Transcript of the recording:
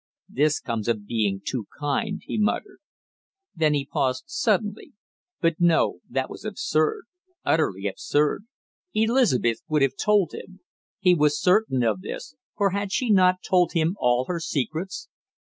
"This comes of being too kind," he muttered. Then he paused suddenly but no, that was absurd utterly absurd; Elizabeth would have told him! He was certain of this, for had she not told him all her secrets?